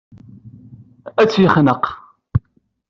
Ad tt-yexneq.